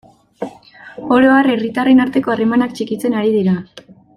Oro har, herritarren arteko harremanak txikitzen ari dira.